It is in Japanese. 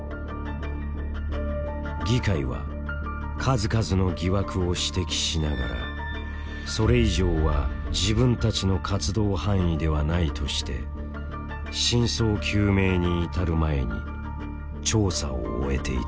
議会は数々の疑惑を指摘しながらそれ以上は自分たちの活動範囲ではないとして真相究明に至る前に調査を終えていた。